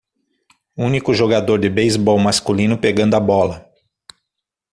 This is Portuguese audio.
Único jogador de beisebol masculino pegando a bola